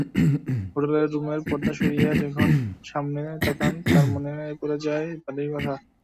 Hotel রুমের পর্দা সরিয়ে যখন সামনে তাকান, তাঁর মনে পড়ে যায় বাড়ির কথা।